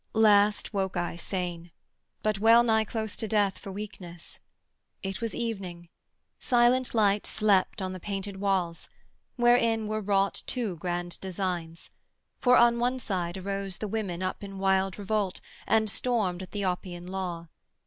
Last I woke sane, but well nigh close to death For weakness: it was evening: silent light Slept on the painted walls, wherein were wrought Two grand designs; for on one side arose The women up in wild revolt, and stormed At the Oppian Law.